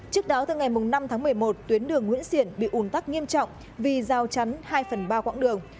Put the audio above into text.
trước đó từ ngày năm tháng một mươi một tuyến đường nguyễn xiển bị ủn tắc nghiêm trọng vì giao chắn hai phần ba quãng đường